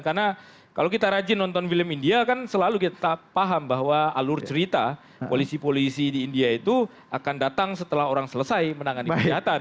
karena kalau kita rajin nonton film india kan selalu kita paham bahwa alur cerita polisi polisi di india itu akan datang setelah orang selesai menangani kejahatan